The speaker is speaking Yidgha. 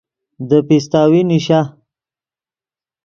دے پیستاوی نیشا